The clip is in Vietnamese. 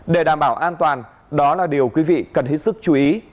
để đảm bảo an toàn đó là điều quý vị cần hết sức chú ý